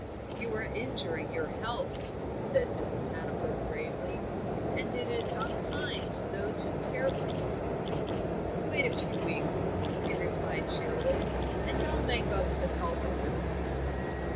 "You are injuring you health," said Mrs. Hannaford gravely, "and it is unkind to those who care for you." "Wait a few weeks," he replied cheerily, "and I'll make up the health account."